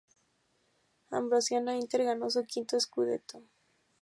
Ambrosiana-Inter ganó su quinto "scudetto".